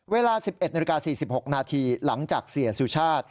เวลา๑๑นาฬิกา๔๖นาทีหลังจากเสียสุชาติ